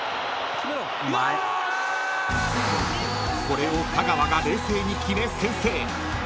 ［これを香川が冷静に決め］